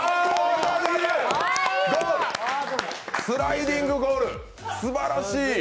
スライディングゴール、すばらしい。